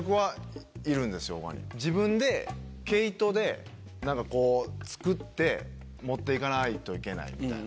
自分で毛糸で何かこう作って持っていかないといけないみたいな。